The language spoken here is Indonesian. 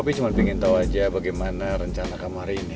tapi cuma pingin tahu aja bagaimana rencana kamu hari ini